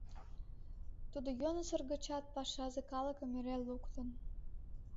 Тудо йӧнысыр гычат пашазе калыкым эре луктын.